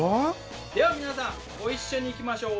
では皆さんご一緒にいきましょう。